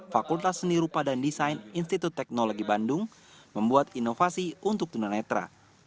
fakultas seni rupa dan desain institut teknologi bandung membuat inovasi untuk tunanetra